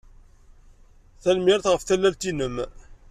Tanemmirt ɣef tallalt-nnem.